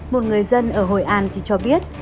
một người dân ở hội an chỉ cho biết